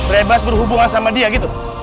bebas berhubungan sama dia gitu